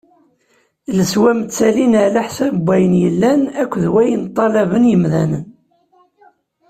Leswam ttalin ɛla ḥsab n wayen yellan akked wayen ṭṭalaben yimdanen.